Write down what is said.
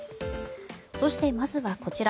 そして、まずはこちら。